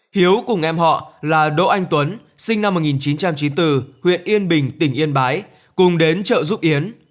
hiếu cùng em họ là đỗ anh tuấn sinh năm một nghìn chín trăm chín mươi bốn huyện yên bình tỉnh yên bái cùng đến chợ giúp yến